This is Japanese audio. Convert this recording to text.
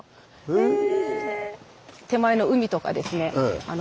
へえ！